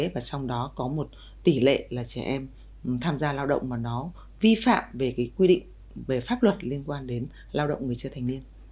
và trong đó có một tỷ lệ là trẻ em tham gia lao động mà nó vi phạm về quy định về pháp luật liên quan đến lao động người chưa thành niên